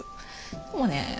でもね